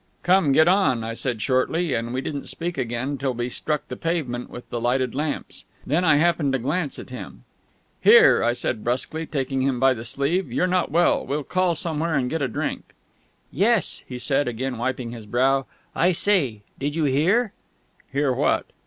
"Come, get on," I said shortly; and we didn't speak again till we struck the pavement with the lighted lamps. Then I happened to glance at him. "Here," I said brusquely, taking him by the sleeve, "you're not well. We'll call somewhere and get a drink." "Yes," he said, again wiping his brow. "I say ... did you hear?" "Hear what?"